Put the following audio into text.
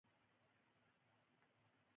یاد کړه ته هغه وختونه ـ کړي موږ څنګه قولونه